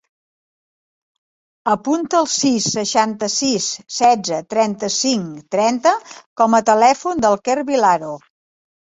Apunta el sis, seixanta-sis, setze, trenta-cinc, trenta com a telèfon del Quer Vilaro.